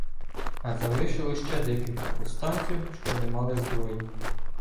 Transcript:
А залишилося ще декілька повстанців, що не мали зброї.